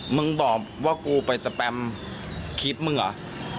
มึงบอกว่ากูไปสแปมคลิปมึงเหรอ